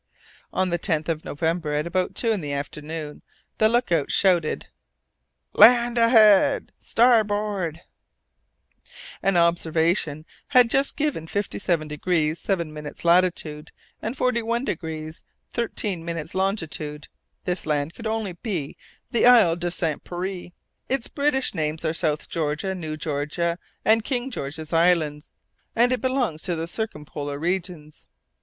On the 10th of November, at about two in the afternoon, the look out shouted, "Land ahead, starboard!" An observation had just given 55° 7' latitude and 41° 13' longitude. This land could only be the Isle de Saint Pierre its British names are South Georgia, New Georgia, and King George's Island and it belongs to the circumpolar regions.